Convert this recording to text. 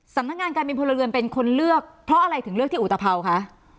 สำนักงานการบินพลเรือนเป็นคนเลือกเพราะอะไรถึงเลือกที่อุตภาวคะ